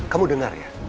kamu dengar ya